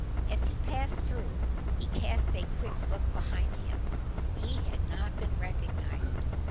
As he passed through he cast a quick look behind him. He had not been recognised.